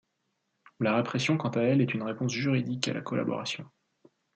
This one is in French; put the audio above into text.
La répression quant à elle est une réponse juridique à la collaboration.